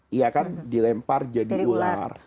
dia dilempar jadi ular